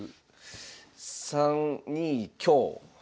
３二香。